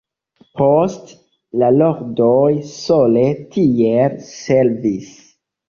Poste, la Lordoj sole tiel servis.